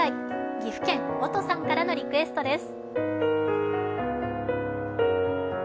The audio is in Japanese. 岐阜県おとさんからのリクエストです。